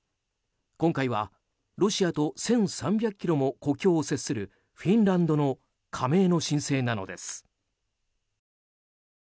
今回はロシアと１３００ｋｍも国境を接するフィンランドの加盟の申請なのです。